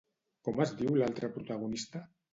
Com es diu l'altre protagonista?